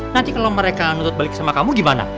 nanti kalau mereka nutut balik sama kamu gimana